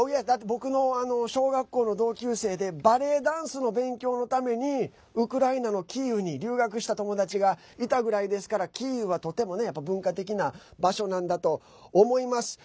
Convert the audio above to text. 僕の小学校の同級生でバレエダンスの勉強のためにウクライナのキーウに留学した友達がいたぐらいですからキーウはとても文化的な場所なんだと思います。